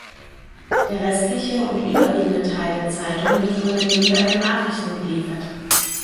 Der restliche und überwiegende Teil der Zeitung wird von den Nürnberger Nachrichten geliefert.